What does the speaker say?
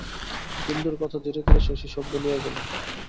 বিন্দুর কথা ধীরে ধীরে শশী সব বলিয়া গেল।